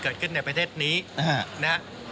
เกิดขึ้นในประเทศนี้นะฮะ